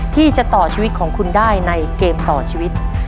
ที่จะต่อชีวิตของคุณได้ในเกมต่อชีวิต